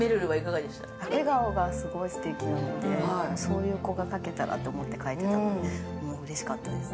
笑顔がすごくすてきなので、そういう子が描けたらと思って描いてたので、うれしかったです。